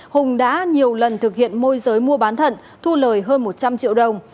hùng đã nhiều lần thực hiện môi giới mua bán thận thu lời hơn một trăm linh triệu đồng